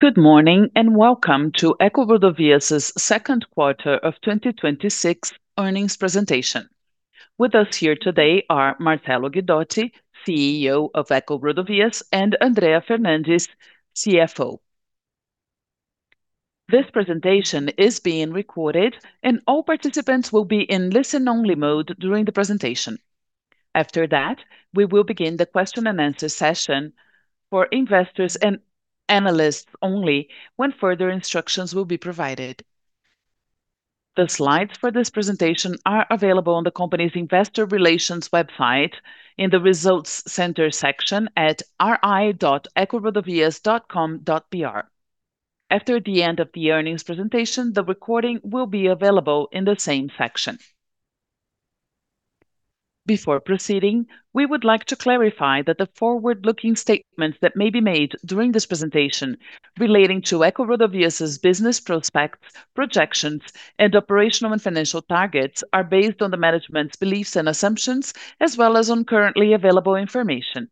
Good morning. Welcome to EcoRodovias' Second Quarter of 2026 Earnings Presentation. With us here today are Marcello Guidotti, Chief Executive Officer of EcoRodovias, Andrea Fernandes, Chief Financial Officer. This presentation is being recorded, all participants will be in listen-only mode during the presentation. After that, we will begin the question-and-answer session for investors and analysts only, when further instructions will be provided. The slides for this presentation are available on the company's investor relations website in the Results Center section at ri.ecorodovias.com.br. After the end of the earnings presentation, the recording will be available in the same section. Before proceeding, we would like to clarify that the forward-looking statements that may be made during this presentation relating to EcoRodovias' business prospects, projections, and operational and financial targets are based on the management's beliefs and assumptions, as well as on currently available information.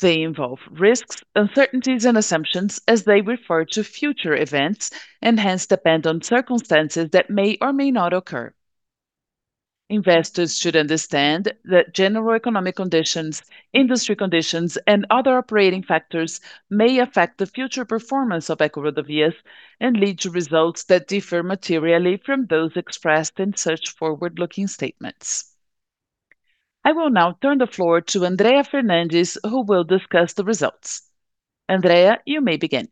They involve risks, uncertainties, and assumptions as they refer to future events and hence depend on circumstances that may or may not occur. Investors should understand that general economic conditions, industry conditions, and other operating factors may affect the future performance of EcoRodovias and lead to results that differ materially from those expressed in such forward-looking statements. I will now turn the floor to Andrea Fernandes, who will discuss the results. Andrea, you may begin.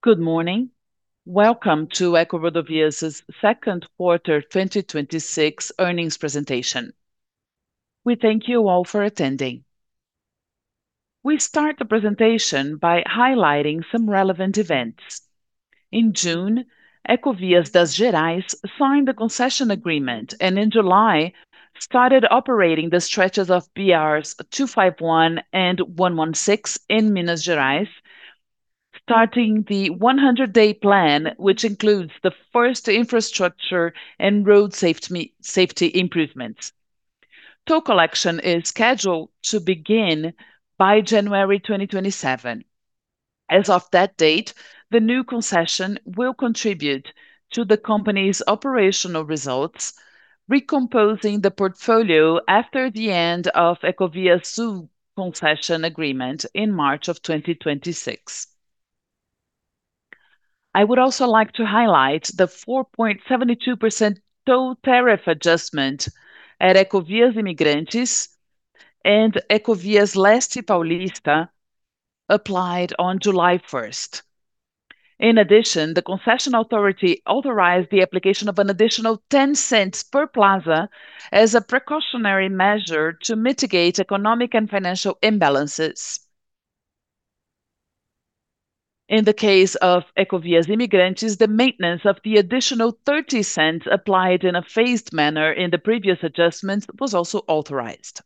Good morning. Welcome to EcoRodovias' second quarter 2026 earnings presentation. We thank you all for attending. We start the presentation by highlighting some relevant events. In June, Ecovias das Gerais signed the concession agreement, in July, started operating the stretches of BRs 251 and 116 in Minas Gerais, starting the 100-day plan, which includes the first infrastructure and road safety improvements. Toll collection is scheduled to begin by January 2027. As of that date, the new concession will contribute to the company's operational results, recomposing the portfolio after the end of Ecovias Sul concession agreement in March of 2026. I would also like to highlight the 4.72% toll tariff adjustment at Ecovias Imigrantes and Ecovias Leste Paulista applied on July 1st. In addition, the concession authority authorized the application of an additional 0.10 per plaza as a precautionary measure to mitigate economic and financial imbalances. In the case of Ecovias Imigrantes, the maintenance of the additional 0.30 applied in a phased manner in the previous adjustments was also authorized.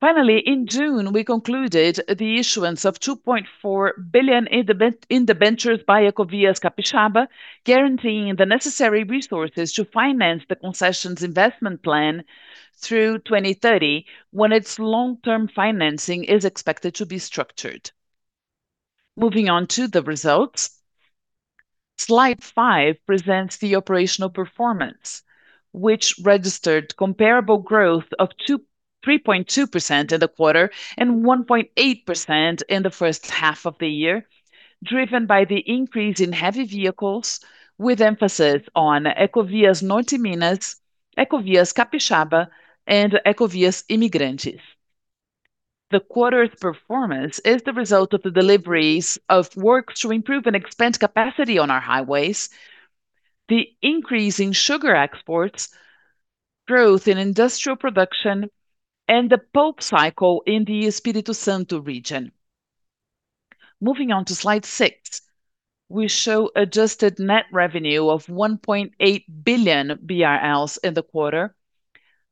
Finally, in June, we concluded the issuance of 2.4 billion in debentures by Ecovias Capixaba, guaranteeing the necessary resources to finance the concession's investment plan through 2030, when its long-term financing is expected to be structured. Moving on to the results. Slide five presents the operational performance, which registered comparable growth of 3.2% in the quarter and 1.8% in the first half of the year, driven by the increase in heavy vehicles, with emphasis on Ecovias Norte Minas, Ecovias Capixaba, and Ecovias Imigrantes. The quarter's performance is the result of the deliveries of work to improve and expand capacity on our highways, the increase in sugar exports, growth in industrial production, and the pulp cycle in the Espírito Santo region. Moving on to slide six. We show adjusted net revenue of 1.8 billion BRL in the quarter,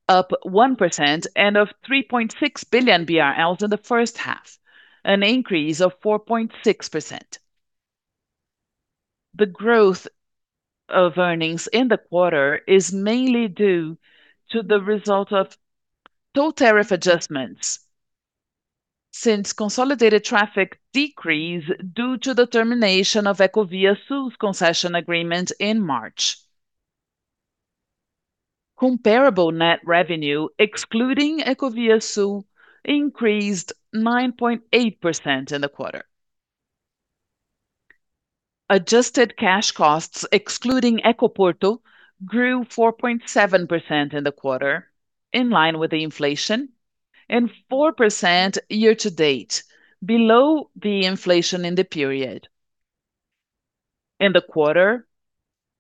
up 1%, of 3.6 billion BRL in the first half, an increase of 4.6%. The growth of earnings in the quarter is mainly due to the result of toll tariff adjustments, since consolidated traffic decreased due to the termination of Ecovias Sul's concession agreement in March. Comparable net revenue, excluding Ecovias Sul, increased 9.8% in the quarter. Adjusted cash costs, excluding Ecoporto, grew 4.7% in the quarter, in line with the inflation, and 4% year to date, below the inflation in the period. In the quarter,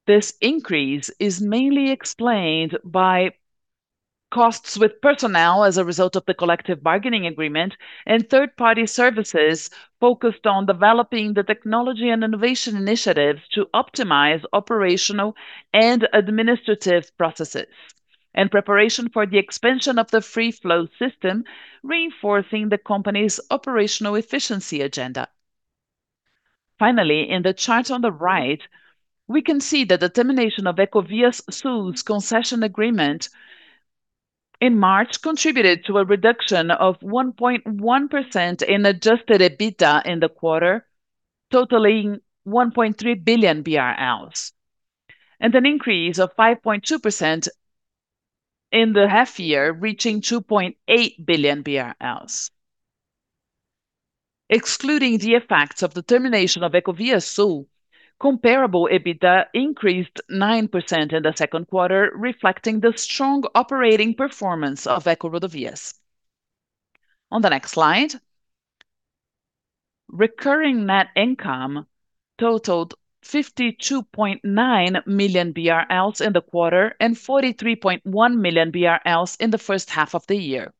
this increase is mainly explained by costs with personnel as a result of the collective bargaining agreement and third-party services focused on developing the technology and innovation initiatives to optimize operational and administrative processes in preparation for the expansion of the free flow system, reinforcing the company's operational efficiency agenda. Finally, in the chart on the right, we can see that the termination of Ecovias Sul's concession agreement in March contributed to a reduction of 1.1% in adjusted EBITDA in the quarter, totaling 1.3 billion BRL, and an increase of 5.2% in the half-year, reaching 2.8 billion BRL. Excluding the effects of the termination of Ecovias Sul, comparable EBITDA increased 9% in the second quarter, reflecting the strong operating performance of EcoRodovias. On the next slide, recurring net income totaled 52.9 million BRL in the quarter and 43.1 million BRL in the first half of the year.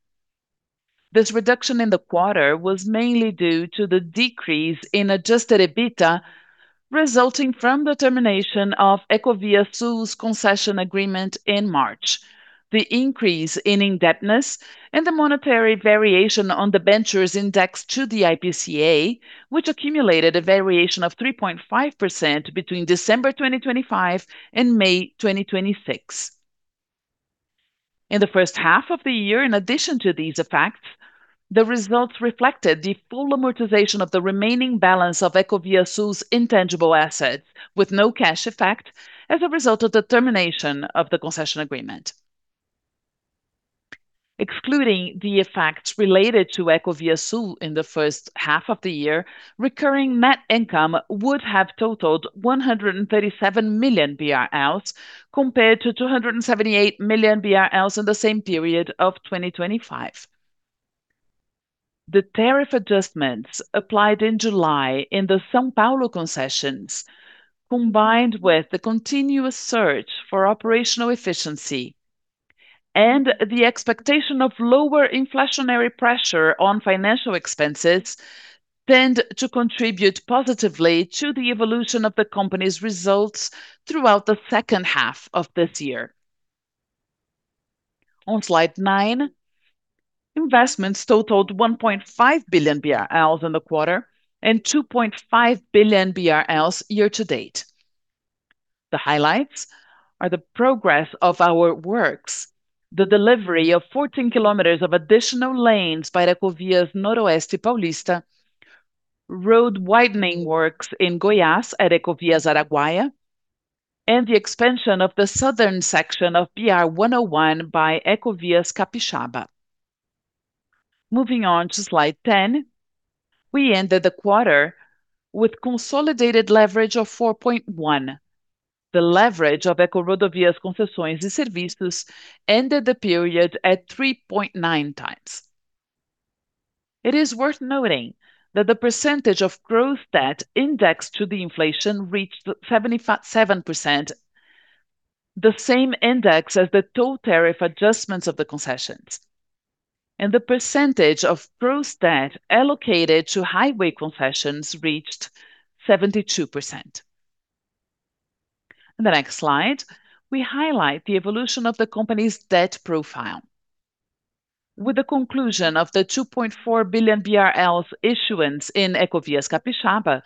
This reduction in the quarter was mainly due to the decrease in adjusted EBITDA resulting from the termination of Ecovias Sul's concession agreement in March. The increase in indebtedness and the monetary variation on debentures index to the IPCA, which accumulated a variation of 3.5% between December 2025 and May 2026. In the first half of the year, in addition to these effects, the results reflected the full amortization of the remaining balance of Ecovias Sul's intangible asset with no cash effect as a result of the termination of the concession agreement. Excluding the effects related to Ecovias Sul in the first half of the year, recurring net income would have totaled 137 million BRL compared to 278 million BRL in the same period of 2025. The tariff adjustments applied in July in the São Paulo concessions, combined with the continuous search for operational efficiency and the expectation of lower inflationary pressure on financial expenses, tend to contribute positively to the evolution of the company's results throughout the second half of this year. On slide nine, investments totaled 1.5 billion BRL in the quarter and 2.5 billion BRL year to date. The highlights are the progress of our works, the delivery of 14 km of additional lanes by Ecovias Noroeste Paulista, road widening works in Goiás at Ecovias Araguaia, and the expansion of the southern section of BR-101 by Ecovias Capixaba. Moving on to slide 10, we ended the quarter with consolidated leverage of 4.1. The leverage of EcoRodovias Concessões e Serviços ended the period at 3.9x. It is worth noting that the percentage of gross debt index to the inflation reached 77%, the same index as the total tariff adjustments of the concessions. The percentage of gross debt allocated to highway concessions reached 72%. In the next slide, we highlight the evolution of the company's debt profile. With the conclusion of the 2.4 billion BRL issuance in Ecovias Capixaba,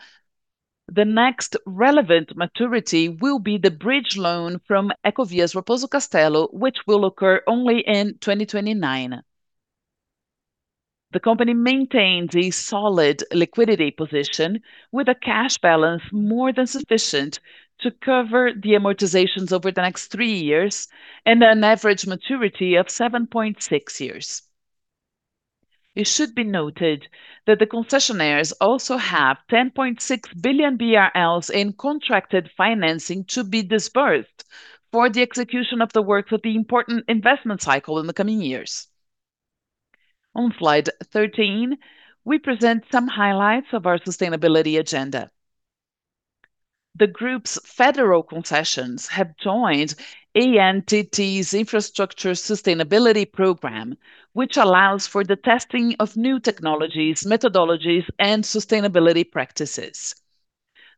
the next relevant maturity will be the bridge loan from Ecovias Raposo Castello, which will occur only in 2029. The company maintains a solid liquidity position with a cash balance more than sufficient to cover the amortizations over the next three years and an average maturity of 7.6 years. It should be noted that the concessionaires also have 10.6 billion BRL in contracted financing to be disbursed for the execution of the works of the important investment cycle in the coming years. On slide 13, we present some highlights of our sustainability agenda. The Group's federal concessions have joined ANTT's Infrastructure Sustainability Program, which allows for the testing of new technologies, methodologies, and sustainability practices.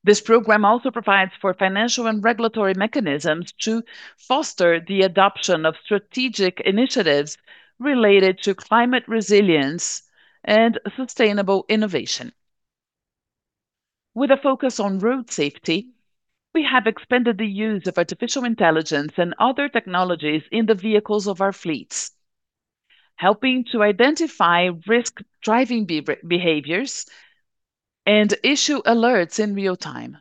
This program also provides for financial and regulatory mechanisms to foster the adoption of strategic initiatives related to climate resilience and sustainable innovation. With a focus on road safety, we have expanded the use of artificial intelligence and other technologies in the vehicles of our fleets, helping to identify risk driving behaviors and issue alerts in real time.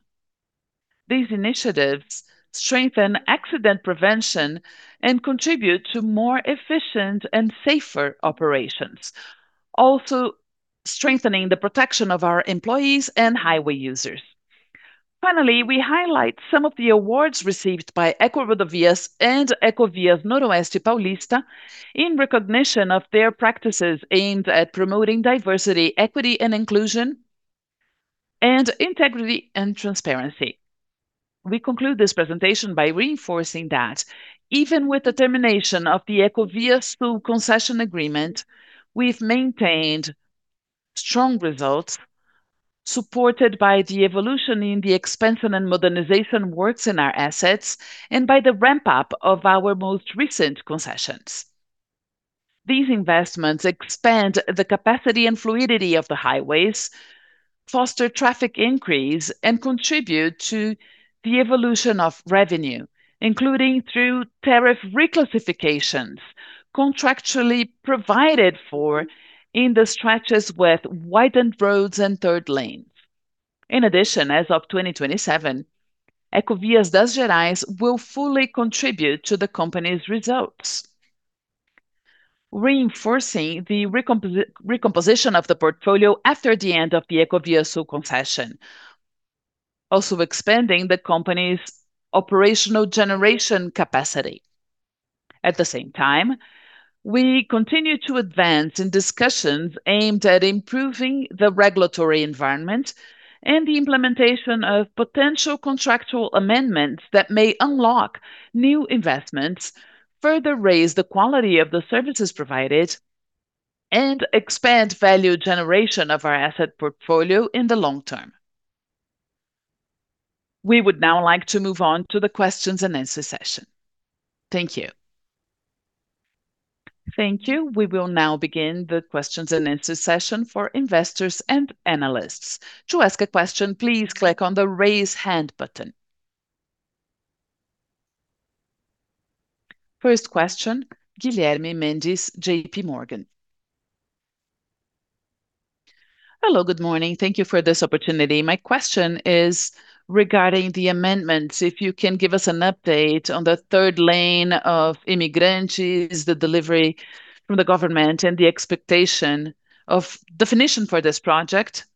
These initiatives strengthen accident prevention and contribute to more efficient and safer operations, also strengthening the protection of our employees and highway users. Finally, we highlight some of the awards received by EcoRodovias and Ecovias Noroeste Paulista in recognition of their practices aimed at promoting diversity, equity and inclusion, and integrity and transparency. We conclude this presentation by reinforcing that even with the termination of the Ecovias Sul concession agreement, we've maintained strong results supported by the evolution in the expansion and modernization works in our assets and by the ramp-up of our most recent concessions. These investments expand the capacity and fluidity of the highways, foster traffic increase, and contribute to the evolution of revenue, including through tariff reclassifications contractually provided for in the stretches with widened roads and third lanes. As of 2027, Ecovias das Gerais will fully contribute to the company's results, reinforcing the recomposition of the portfolio after the end of the Ecovias Sul concession, also expanding the company's operational generation capacity. At the same time, we continue to advance in discussions aimed at improving the regulatory environment and the implementation of potential contractual amendments that may unlock new investments, further raise the quality of the services provided, and expand value generation of our asset portfolio in the long term. We would now like to move on to the questions and answer session. Thank you. Thank you. We will now begin the questions and answer session for investors and analysts. To ask a question, please click on the raise hand button. First question, Guilherme Mendes, JPMorgan. Hello, good morning. Thank you for this opportunity. My question is regarding the amendments. If you can give us an update on the third lane of Imigrantes, the delivery from the government, and the expectation of definition for this project.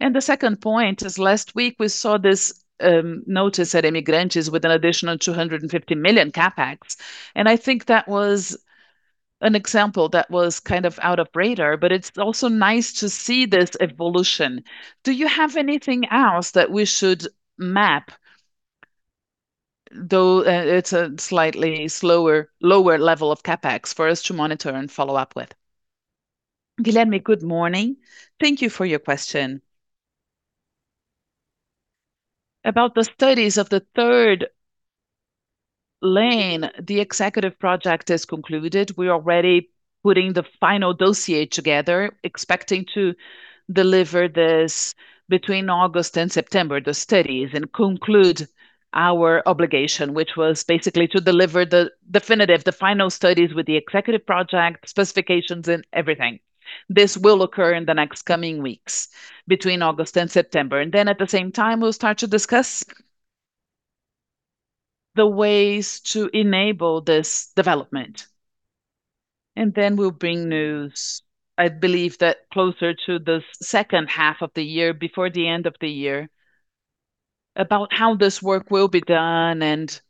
The second point is last week we saw this notice at Imigrantes with an additional 250 million CapEx, and I think that was an example that was out of radar, but it's also nice to see this evolution. Do you have anything else that we should map, though it's a slightly slower, lower level of CapEx for us to monitor and follow up with? Guilherme, good morning. Thank you for your question. About the studies of the third lane, the executive project is concluded. We're already putting the final dossier together, expecting to deliver this between August and September, the studies, and conclude our obligation, which was basically to deliver the final studies with the executive project specifications and everything. This will occur in the next coming weeks, between August and September. At the same time, we'll start to discuss the ways to enable this development. We'll bring news, I believe that closer to the second half of the year, before the end of the year, about how this work will be done and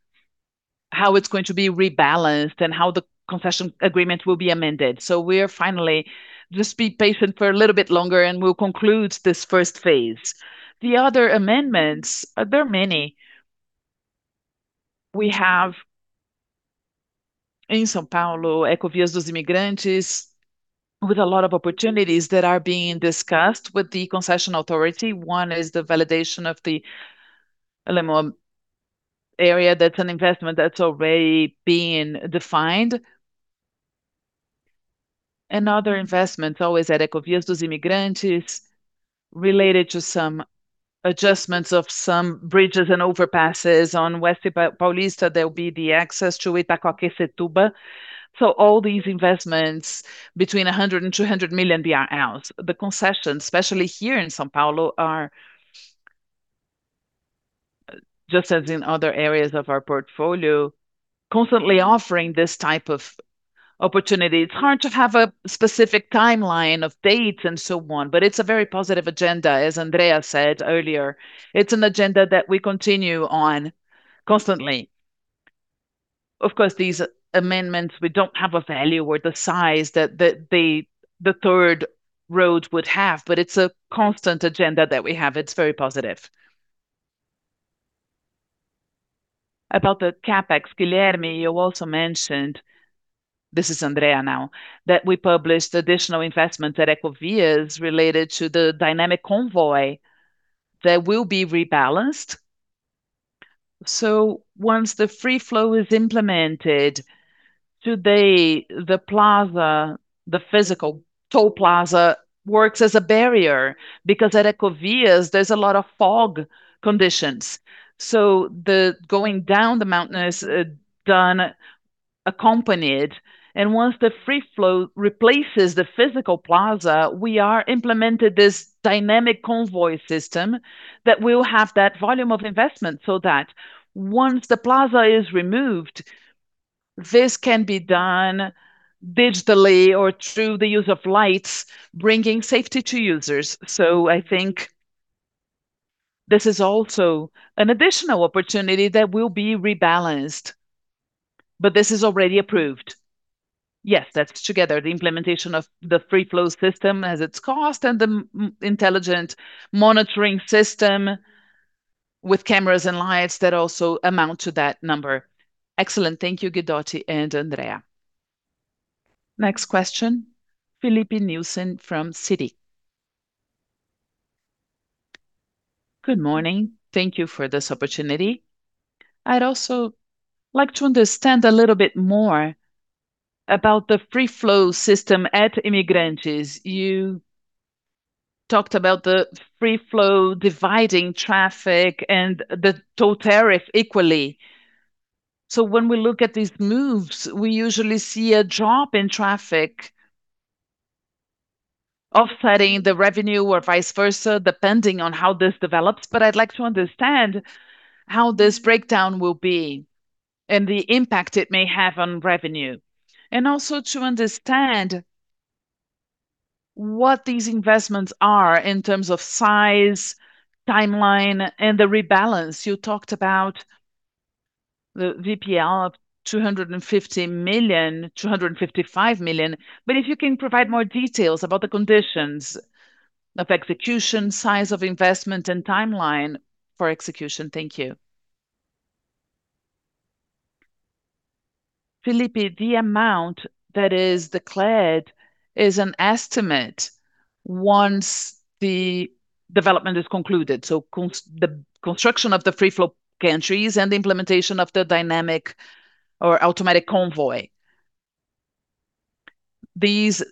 how it's going to be rebalanced and how the concession agreement will be amended. We are finally. Just be patient for a little bit longer, and we'll conclude this first phase. The other amendments, there are many. We have in São Paulo, Ecovias Imigrantes, with a lot of opportunities that are being discussed with the concession authority. One is the validation of the area that's an investment that's already been defined. Other investments, always at Ecovias Imigrantes, related to some adjustments of some bridges and overpasses on Noroeste Paulista. There will be the access to Itaquaquecetuba. All these investments between 100 million and 200 million BRL. The concessions, especially here in São Paulo, are, just as in other areas of our portfolio, constantly offering this type of opportunity. It's hard to have a specific timeline of dates and so on, but it's a very positive agenda, as Andrea said earlier. It's an agenda that we continue on constantly. Of course, these amendments, we don't have a value or the size that the third road would have, but it's a constant agenda that we have. It's very positive. About the CapEx, Guilherme, you also mentioned, this is Andrea now, that we published additional investments at EcoRodovias related to the dynamic that will be rebalanced. Once the free flow is implemented, today, the plaza, the physical toll plaza works as a barrier because at EcoRodovias, there's a lot of fog conditions. Going down the mountain is done accompanied, and once the free flow replaces the physical plaza, we are implemented this dynamic convoy system that will have that volume of investment so that once the plaza is removed, this can be done digitally or through the use of lights, bringing safety to users. I think this is also an additional opportunity that will be rebalanced, but this is already approved. Yes, that's together, the implementation of the free flow system has its cost and the intelligent monitoring system with cameras and lights that also amount to that number. Excellent. Thank you, Guidotti and Andrea. Next question, Filipe Nielsen from Citi. Good morning. Thank you for this opportunity. I'd also like to understand a little bit more about the free flow system at Imigrantes. You talked about the free flow dividing traffic and the toll tariff equally. When we look at these moves, we usually see a drop in traffic offsetting the revenue or vice versa, depending on how this develops. I'd like to understand how this breakdown will be and the impact it may have on revenue, and also to understand what these investments are in terms of size, timeline, and the rebalance. You talked about the VPL of 250 million, 255 million. If you can provide more details about the conditions of execution, size of investment, and timeline for execution. Thank you. Filipe, the amount that is declared is an estimate once the development is concluded, the construction of the free flow gantries and the implementation of the dynamic or automatic convoy. These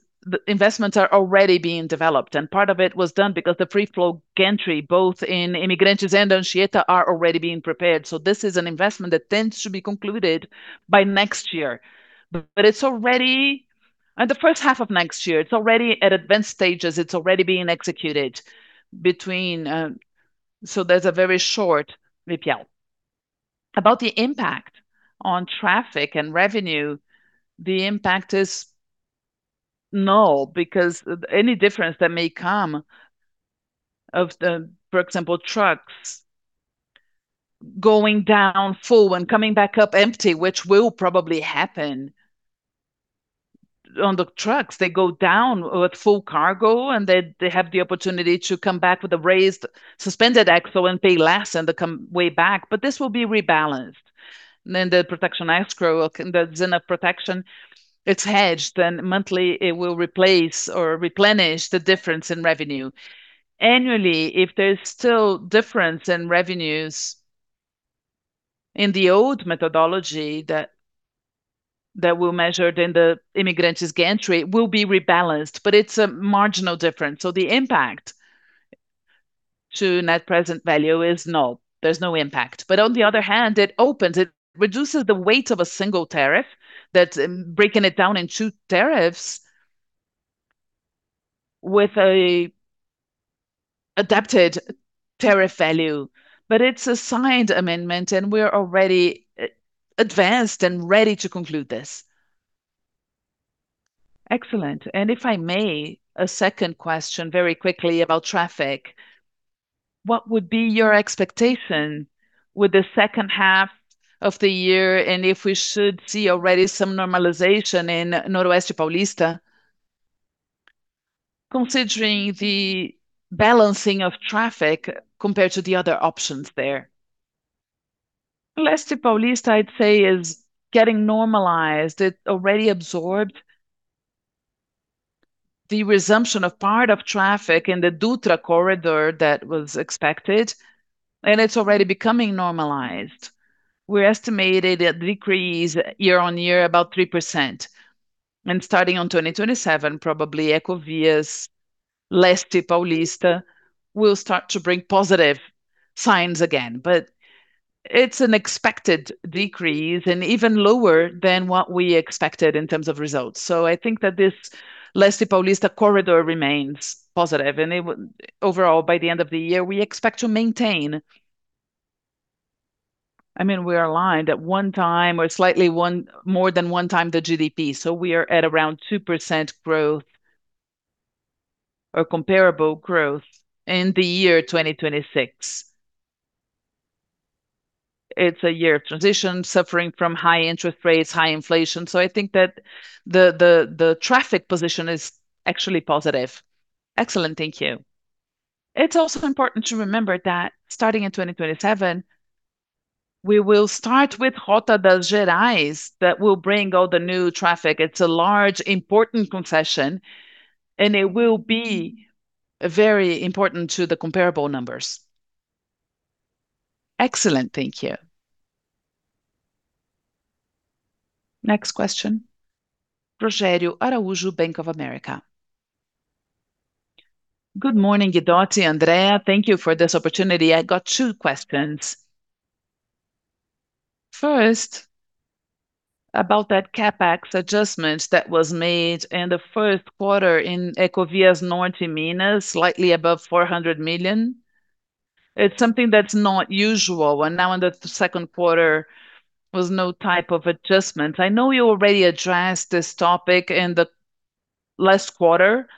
investments are already being developed, and part of it was done because the free flow gantry, both in Imigrantes and Anchieta, are already being prepared. This is an investment that tends to be concluded by next year. It's already in the first half of next year. It's already at advanced stages. It's already being executed. There's a very short VPL. About the impact on traffic and revenue, the impact is null because any difference that may come of the, for example, trucks going down full and coming back up empty, which will probably happen. On the trucks, they go down with full cargo, and they have the opportunity to come back with a raised suspended axle and pay less on the way back, but this will be rebalanced. The protection escrow, the Zina protection, it's hedged. Monthly, it will replace or replenish the difference in revenue. Annually, if there's still difference in revenues in the old methodology that we measured in the Imigrantes gantry, will be rebalanced, but it's a marginal difference. The impact to net present value is null. There's no impact. On the other hand, it opens, it reduces the weight of a single tariff that's breaking it down in two tariffs with an adapted tariff value. It's a signed amendment, and we're already advanced and ready to conclude this. Excellent. If I may, a second question very quickly about traffic. What would be your expectation with the second half of the year, and if we should see already some normalization in Noroeste Paulista, considering the balancing of traffic compared to the other options there? Leste Paulista, I'd say, is getting normalized. It already absorbed the resumption of part of traffic in the Dutra corridor that was expected, and it's already becoming normalized. We estimated a decrease year-over-year about 3%. Starting on 2027, probably Ecovias Leste Paulista will start to bring positive signs again. It's an expected decrease and even lower than what we expected in terms of results. I think that this Leste Paulista corridor remains positive, and it will. Overall, by the end of the year, we expect to maintain. We are aligned at one time or slightly more than one time the GDP, we are at around 2% growth or comparable growth in the year 2026. It's a year of transition, suffering from high interest rates, high inflation, I think that the traffic position is actually positive. Excellent. Thank you. It's also important to remember that starting in 2027, we will start with Rota das Gerais. That will bring all the new traffic. It's a large, important concession, and it will be very important to the comparable numbers. Excellent. Thank you. Next question. Rogério Araujo, Bank of America. Good morning, Guidotti, Andrea. Thank you for this opportunity. I got two questions. First, about that CapEx adjustments that was made in the first quarter in Ecovias Norte Minas, slightly above 400 million. It's something that's not usual. Now in the second quarter was no type of adjustment. I know you already addressed this topic in the last quarter,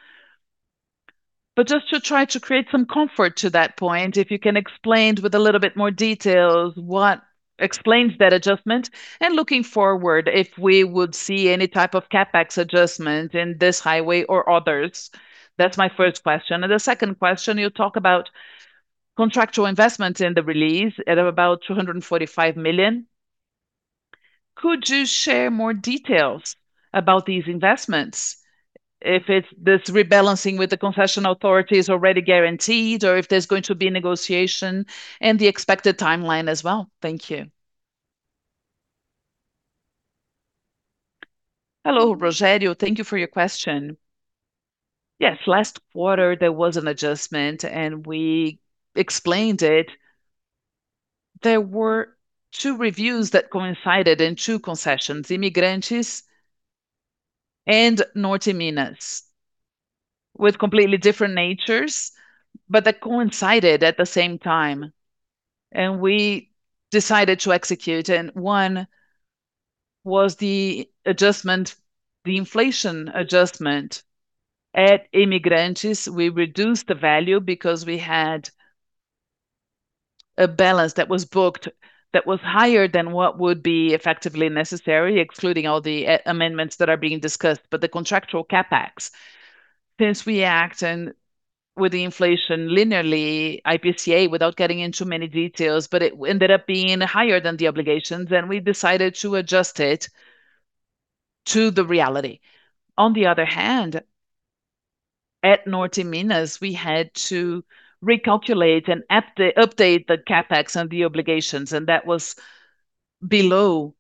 just to try to create some comfort to that point, if you can explain with a little bit more details what explains that adjustment. Looking forward, if we would see any type of CapEx adjustment in this highway or others. That's my first question. The second question, you talk about contractual investments in the release at about 245 million. Could you share more details about these investments? If it's this rebalancing with the concession authorities already guaranteed, or if there's going to be negotiation, and the expected timeline as well. Thank you. Hello, Rogério. Thank you for your question. Yes, last quarter there was an adjustment, and we explained it. There were two reviews that coincided in two concessions, Ecovias Imigrantes and Ecovias Norte Minas, with completely different natures, but that coincided at the same time, and we decided to execute. One was the inflation adjustment. At Ecovias Imigrantes, we reduced the value because we had a balance that was booked that was higher than what would be effectively necessary, excluding all the amendments that are being discussed. The contractual CapEx, since we act and with the inflation linearly, IPCA, without getting into many details, it ended up being higher than the obligations, and we decided to adjust it to the reality. On the other hand, at Ecovias Norte Minas, we had to recalculate and update the CapEx and the obligations, and that was below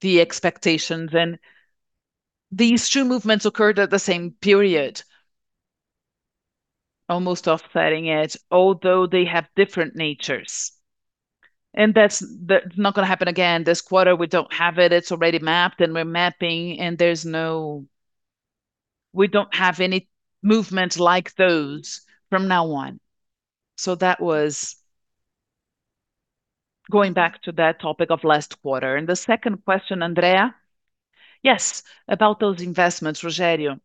the expectations. These two movements occurred at the same period, almost offsetting it, although they have different natures. That's not going to happen again. This quarter, we don't have it. It's already mapped, and we're mapping and we don't have any movements like those from now on. That was going back to that topic of last quarter. Andrea? Yes, about those investments, Rogério.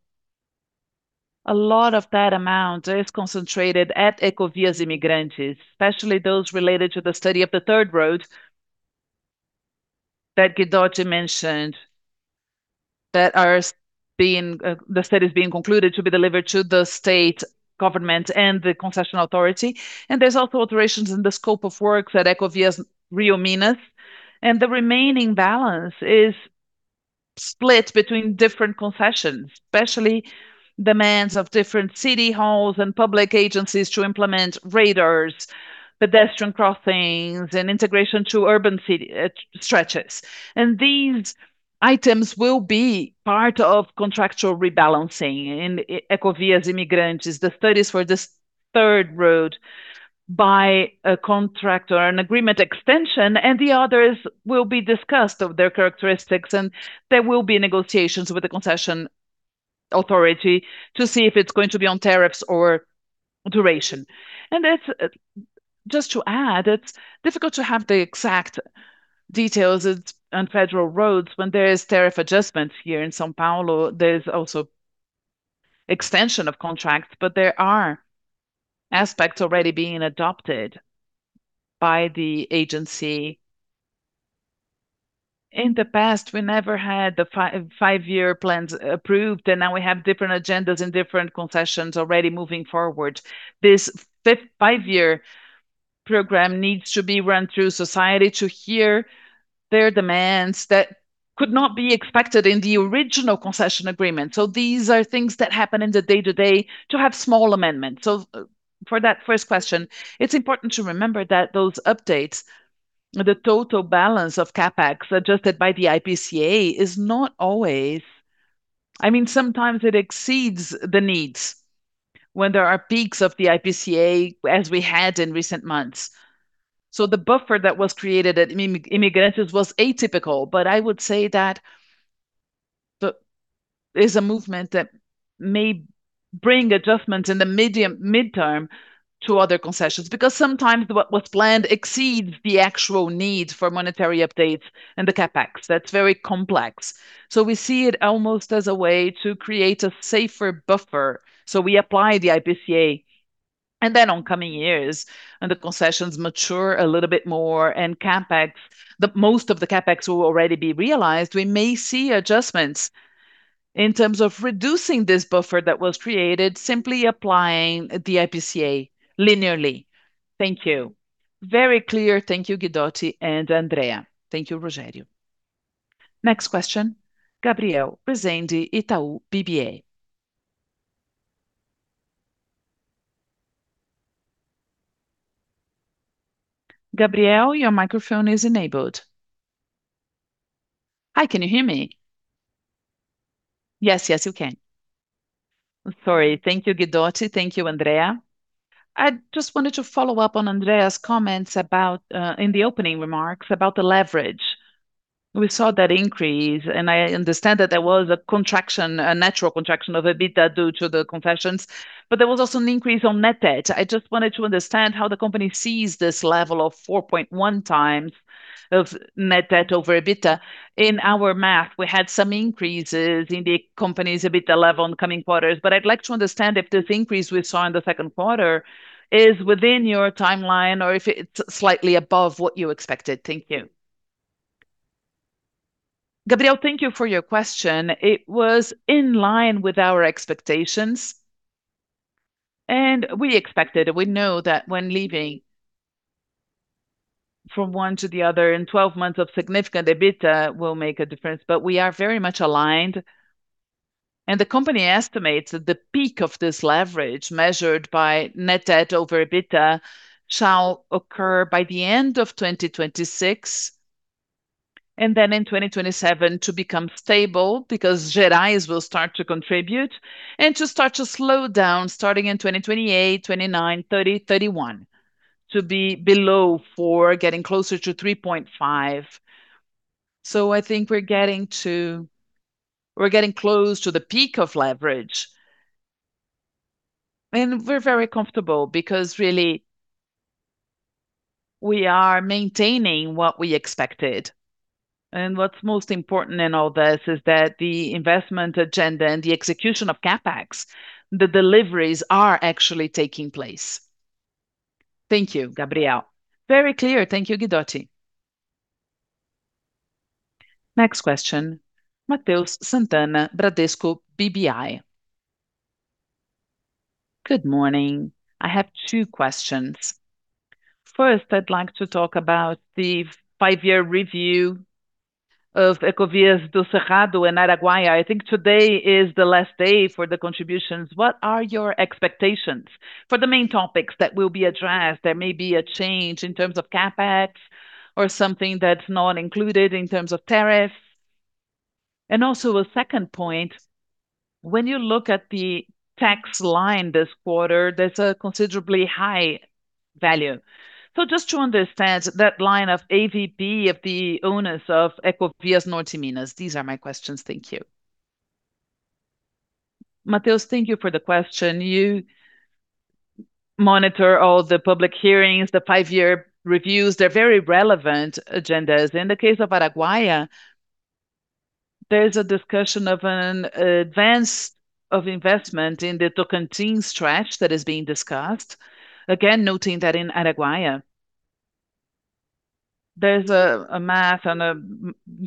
A lot of that amount is concentrated at Ecovias Imigrantes, especially those related to the study of the third road that Guidotti mentioned, that the study's being concluded to be delivered to the state government and the concession authority. There's also alterations in the scope of works at Ecovias Rio Minas, and the remaining balance is split between different concessions, especially demands of different city halls and public agencies to implement radars, pedestrian crossings, and integration to urban stretches. These items will be part of contractual rebalancing in Ecovias Imigrantes. The studies for this third road by a contract or an agreement extension, the others will be discussed of their characteristics, and there will be negotiations with the concession authority to see if it's going to be on tariffs or duration. Just to add, it's difficult to have the exact details on federal roads when there is tariff adjustments here in São Paulo. There's also extension of contracts, but there are aspects already being adopted by the agency. In the past, we never had the five-year plans approved, and now we have different agendas and different concessions already moving forward. This five-year program needs to be run through society to hear their demands that could not be expected in the original concession agreement. These are things that happen in the day-to-day to have small amendments. For that first question, it's important to remember that those updates, the total balance of CapEx adjusted by the IPCA, sometimes it exceeds the needs when there are peaks of the IPCA as we had in recent months. The buffer that was created at Imigrantes was atypical, I would say that there's a movement that may bring adjustments in the midterm to other concessions. Sometimes what was planned exceeds the actual needs for monetary updates and the CapEx. That's very complex. We see it almost as a way to create a safer buffer. We apply the IPCA, then on coming years, the concessions mature a little bit more and most of the CapEx will already be realized. We may see adjustments in terms of reducing this buffer that was created, simply applying the IPCA linearly. Thank you. Very clear. Thank you, Guidotti and Andrea. Thank you, Rogério. Next question, Gabriel Rezende, Itaú BBA. Gabriel, your microphone is enabled. Hi, can you hear me? Yes. Yes, we can. Sorry. Thank you, Guidotti. Thank you, Andrea. I just wanted to follow up on Andrea's comments in the opening remarks about the leverage. We saw that increase, I understand that there was a natural contraction of EBITDA due to the concessions, there was also an increase on net debt. I just wanted to understand how the company sees this level of 4.1x of net debt over EBITDA. In our math, we had some increases in the company's EBITDA level in the coming quarters, I'd like to understand if this increase we saw in the second quarter is within your timeline or if it's slightly above what you expected. Thank you. Gabriel, thank you for your question. It was in line with our expectations. We expected, we know that when leaving from one to the other in 12 months of significant EBITDA will make a difference, we are very much aligned. The company estimates that the peak of this leverage, measured by net debt over EBITDA, shall occur by the end of 2026, in 2027 to become stable, because Gerais will start to contribute, to start to slow down starting in 2028, 2029, 2030, 2031, to be below four, getting closer to 3.5. I think we're getting close to the peak of leverage, we're very comfortable, really we are maintaining what we expected. What's most important in all this is that the investment agenda and the execution of CapEx, the deliveries are actually taking place. Thank you, Gabriel. Very clear. Thank you, Guidotti. Next question, Mateus Santana, Bradesco BBI. Good morning. I have two questions. First, I'd like to talk about the five-year review of Ecovias do Cerrado and Araguaia. I think today is the last day for the contributions. What are your expectations for the main topics that will be addressed? There may be a change in terms of CapEx or something that's not included in terms of tariffs. A second point, when you look at the tax line this quarter, there's a considerably high value. Just to understand that line of AVP of the owners of Ecovias Norte Minas. These are my questions. Thank you. Mateus, thank you for the question. You monitor all the public hearings, the five-year reviews. They're very relevant agendas. In the case of Araguaia, there's a discussion of an advance of investment in the Tocantins stretch that is being discussed. Again, noting that in Araguaia, there's a math and a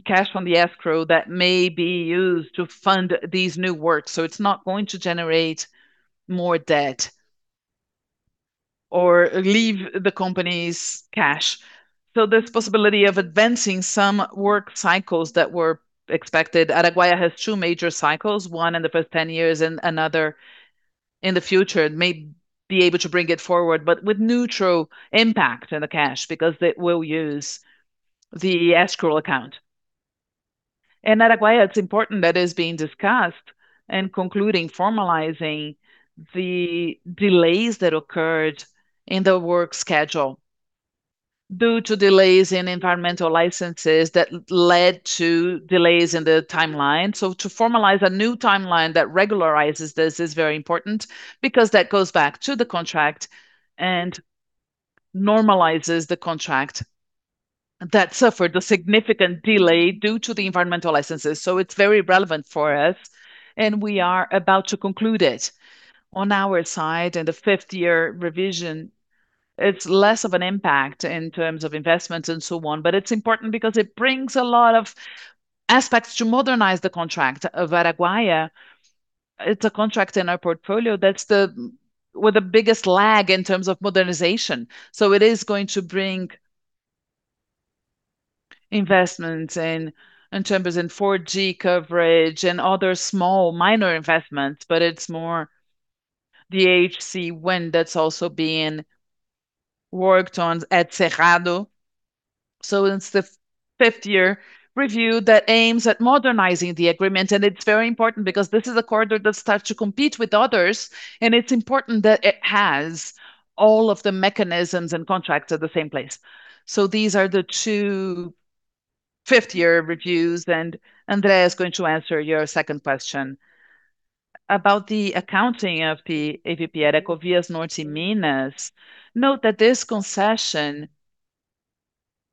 cash from the escrow that may be used to fund these new works. It's not going to generate more debt or leave the company's cash. There's possibility of advancing some work cycles that were expected. Araguaia has two major cycles, one in the first 10 years and another in the future, and may be able to bring it forward, but with neutral impact on the cash because it will use the escrow account. In Araguaia, it's important that is being discussed and concluding, formalizing the delays that occurred in the work schedule due to delays in environmental licenses that led to delays in the timeline. To formalize a new timeline that regularizes this is very important because that goes back to the contract and normalizes the contract that suffered a significant delay due to the environmental licenses. It's very relevant for us, and we are about to conclude it. On our side, in the fifth-year revision, it's less of an impact in terms of investments and so on, but it's important because it brings a lot of aspects to modernize the contract of Araguaia. It's a contract in our portfolio that's with the biggest lag in terms of modernization. It is going to bring investments in terms as in 4G coverage and other small minor investments, but it's more the HS-WIM that's also being worked on at Cerrado. It's the fifth-year review that aims at modernizing the agreement, and it's very important because this is a corridor that starts to compete with others, and it's important that it has all of the mechanisms and contracts at the same place. These are the two fifth-year reviews, and Andrea is going to answer your second question. About the accounting of the AVP at Ecovias Norte Minas, note that this concession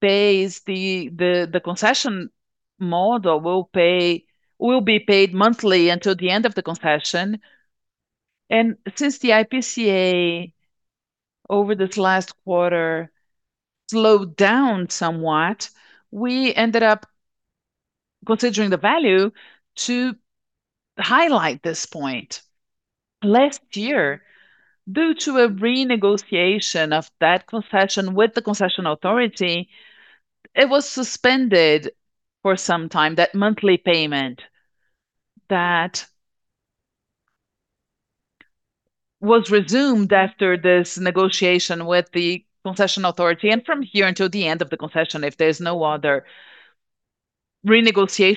pays the concession model will be paid monthly until the end of the concession. Since the IPCA over this last quarter slowed down somewhat, we ended up considering the value to highlight this point. Last year, due to a renegotiation of that concession with the concession authority, it was suspended for some time, that monthly payment, that was resumed after this negotiation with the concession authority. From here until the end of the concession, if there's no other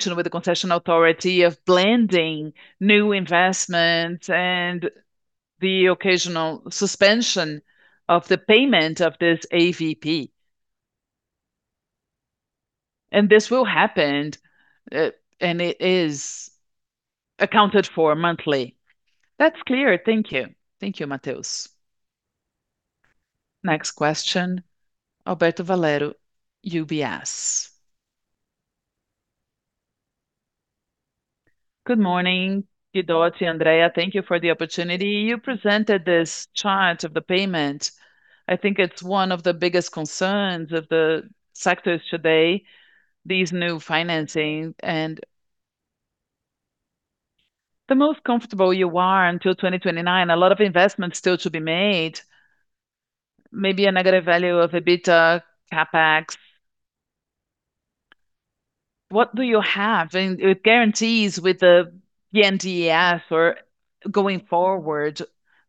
renegotiation with the concession authority of blending new investments and the occasional suspension of the payment of this AVP. This will happen, and it is accounted for monthly. That's clear. Thank you. Thank you, Mateus. Next question, Alberto Valerio, UBS. Good morning, Guidotti, Andrea. Thank you for the opportunity. You presented this chart of the payment. I think it's one of the biggest concerns of the sectors today, these new financing. The most comfortable you are until 2029, a lot of investments still to be made, maybe a negative value of EBITDA, CapEx. What do you have in guarantees with the BNDES or going forward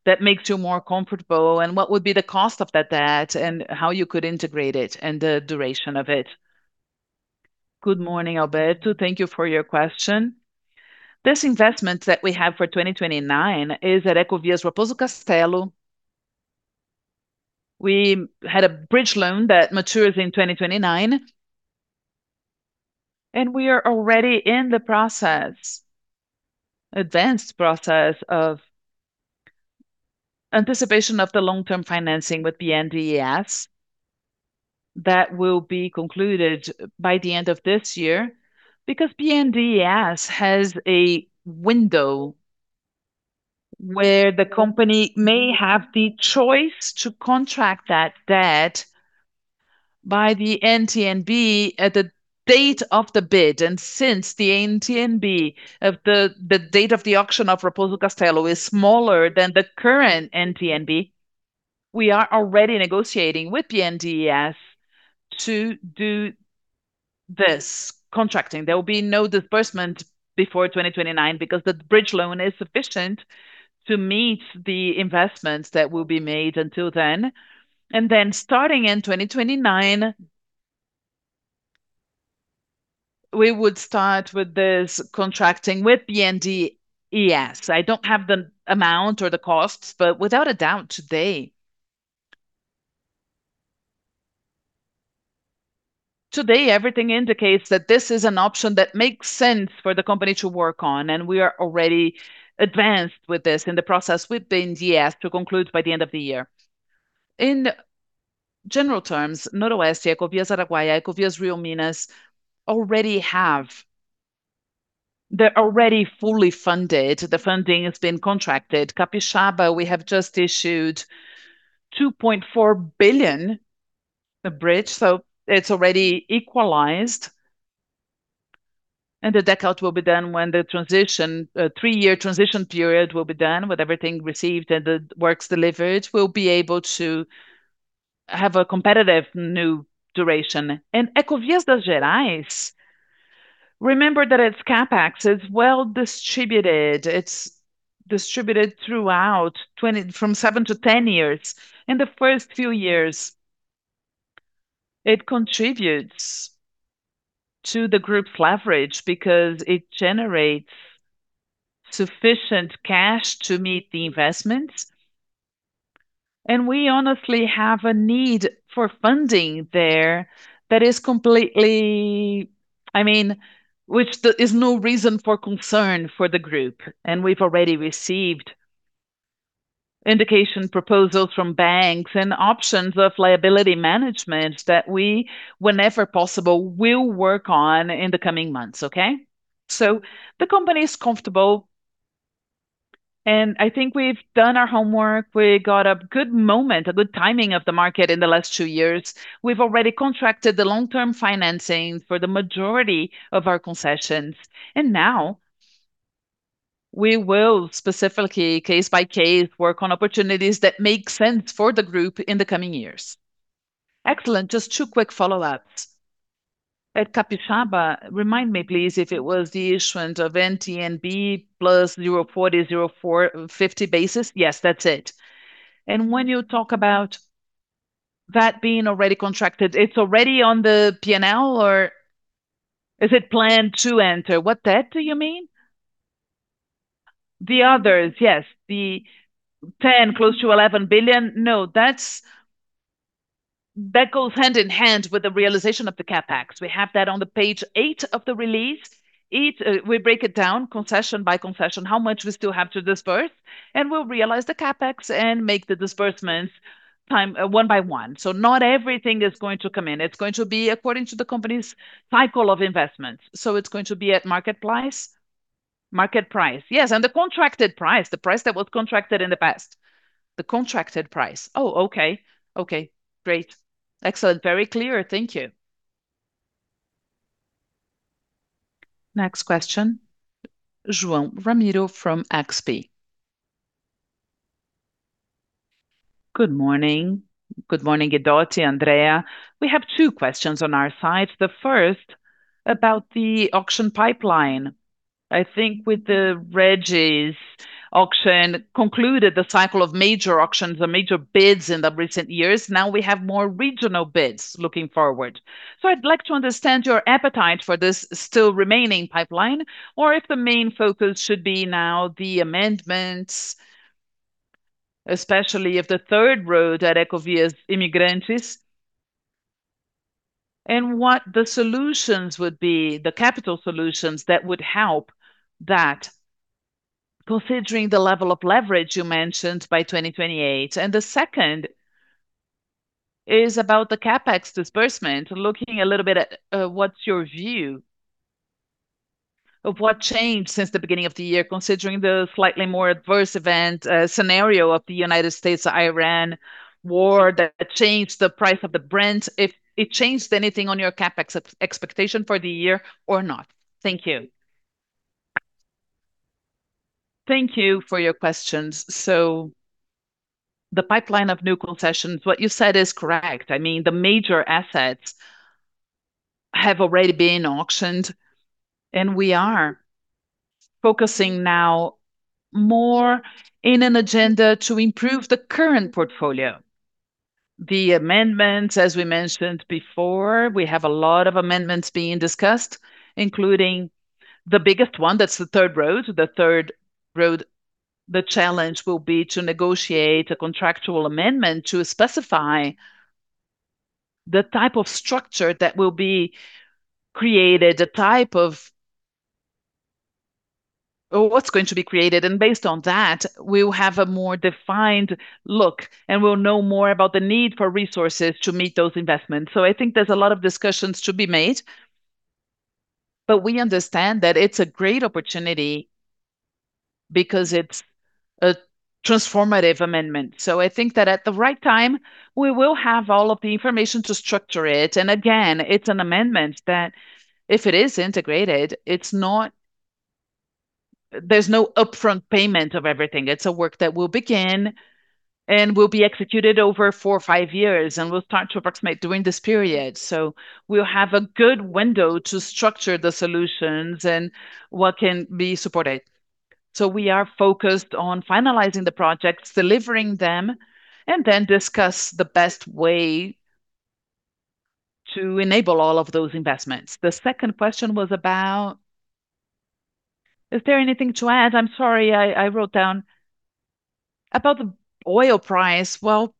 that makes you more comfortable, and what would be the cost of that debt, and how you could integrate it and the duration of it? Good morning, Alberto. Thank you for your question. This investment that we have for 2029 is at Ecovias Raposo Castello. We had a bridge loan that matures in 2029, and we are already in the advanced process of anticipation of the long-term financing with BNDES. Since BNDES has a window where the company may have the choice to contract that debt by the NTN-B at the date of the bid. Since the NTN-B of the date of the auction of Raposo Castello is smaller than the current NTN-B, we are already negotiating with BNDES to do this contracting. There will be no disbursement before 2029 because the bridge loan is sufficient to meet the investments that will be made until then. Then starting in 2029, we would start with this contracting with BNDES. I don't have the amount or the costs, but without a doubt, today everything indicates that this is an option that makes sense for the company to work on, we are already advanced with this in the process with BNDES to conclude by the end of the year. In general terms, Noroeste, EcoRodovias Araguaia, EcoRodovias Rio-Minas, they are already fully funded. The funding has been contracted. Capixaba, we have just issued 2.4 billion, the bridge, so it is already equalized. The takeout will be done when the three-year transition period will be done with everything received and the works delivered. We will be able to have a competitive new duration. EcoRodovias das Gerais, remember that its CapEx is well-distributed. It is distributed throughout from 7-10 years. In the first few years, it contributes to the group's leverage because it generates sufficient cash to meet the investments. We honestly have a need for funding there that is no reason for concern for the group. We have already received indication proposals from banks and options of liability management that we, whenever possible, will work on in the coming months, okay? The company is comfortable, I think we have done our homework. We got a good moment, a good timing of the market in the last two years. We have already contracted the long-term financing for the majority of our concessions, now we will specifically, case by case, work on opportunities that make sense for the group in the coming years. Excellent. Just two quick follow-ups. At Capixaba, remind me, please, if it was the issuance of NTN-B plus 0.40, 0.50 basis points. Yes, that is it. When you talk about that being already contracted, it is already on the P&L, or is it planned to enter? What debt do you mean? The others. Yes. The 10 billion, close to 11 billion. No, that goes hand-in-hand with the realization of the CapEx. We have that on page eight of the release. We break it down concession by concession, how much we still have to disperse, we will realize the CapEx and make the disbursements one by one. Not everything is going to come in. It is going to be according to the company's cycle of investments. It is going to be at market price? Market price. Yes, the contracted price, the price that was contracted in the past. The contracted price. Oh, okay. Great. Excellent. Very clear. Thank you. Next question, João Ramiro from XP. Good morning. Good morning, Guidotti, Andrea. We have two questions on our side. The first, about the auction pipeline. I think with the Regis auction concluded the cycle of major auctions and major bids in the recent years. Now we have more regional bids looking forward. I'd like to understand your appetite for this still remaining pipeline, or if the main focus should be now the amendments, especially of the third road at Ecovias Imigrantes, and what the solutions would be, the capital solutions that would help that, considering the level of leverage you mentioned by 2028. The second is about the CapEx disbursement. Looking a little bit at what's your view of what changed since the beginning of the year, considering the slightly more adverse event scenario of the United States-Iran war that changed the price of the Brent, if it changed anything on your CapEx expectation for the year or not. Thank you. Thank you for your questions. The pipeline of new concessions, what you said is correct. I mean, the major assets have already been auctioned, and we are focusing now more on an agenda to improve the current portfolio. The amendments, as we mentioned before, we have a lot of amendments being discussed, including the biggest one, that's the third road. The challenge will be to negotiate a contractual amendment to specify the type of structure that will be created or what's going to be created. Based on that, we will have a more defined look, and we'll know more about the need for resources to meet those investments. I think there's a lot of discussions to be made, but we understand that it's a great opportunity because it's a transformative amendment. I think that at the right time, we will have all of the information to structure it. Again, it's an amendment that if it is integrated, there's no upfront payment of everything. It's a work that will begin and will be executed over four or five years, and we'll start to approximate during this period. We'll have a good window to structure the solutions and what can be supported. We are focused on finalizing the projects, delivering them, and then discuss the best way to enable all of those investments. The second question was about-- Is there anything to add? I'm sorry, I wrote down. About the oil price. Well,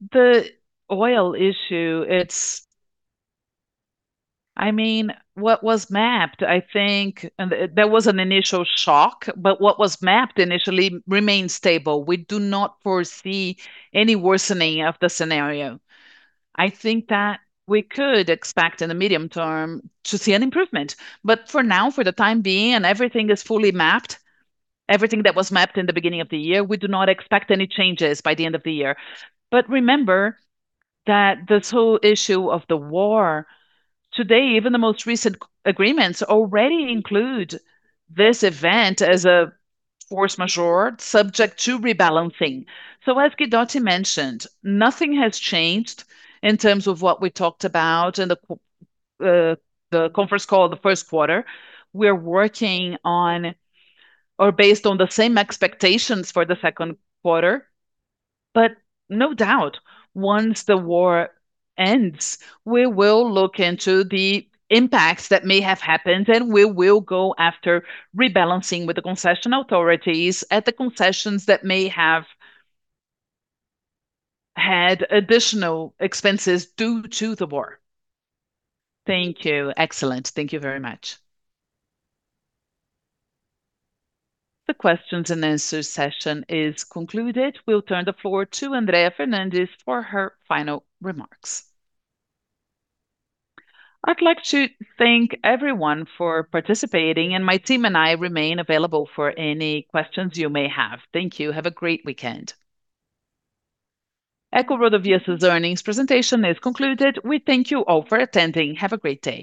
the oil issue, I mean, what was mapped, I think there was an initial shock, but what was mapped initially remains stable. We do not foresee any worsening of the scenario. I think that we could expect in the medium term to see an improvement. For now, for the time being, everything is fully mapped, everything that was mapped in the beginning of the year, we do not expect any changes by the end of the year. Remember that this whole issue of the war, today, even the most recent agreements already include this event as a force majeure subject to rebalancing. As Guidotti mentioned, nothing has changed in terms of what we talked about in the conference call the first quarter. We're working based on the same expectations for the second quarter. No doubt, once the war ends, we will look into the impacts that may have happened, and we will go after rebalancing with the concession authorities at the concessions that may have had additional expenses due to the war. Thank you. Excellent. Thank you very much. The questions and answers session is concluded. We'll turn the floor to Andrea Fernandes for her final remarks. I'd like to thank everyone for participating, and my team and I remain available for any questions you may have. Thank you. Have a great weekend. EcoRodovias' earnings presentation is concluded. We thank you all for attending. Have a great day